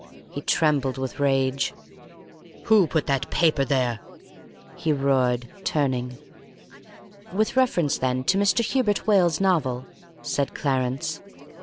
He trembled with rage. "Who put that paper there?" he roared, turning. "With reference, then, to Mr. Hubert Wales's novel," said Clarence.